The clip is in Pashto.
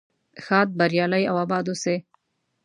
ښاد بریالي او اباد اوسئ.